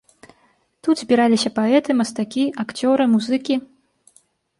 Тут збіраліся паэты, мастакі, акцёры, музыкі.